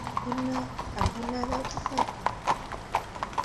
Cảm ơn Na Cảm ơn Na đã giúp mẹ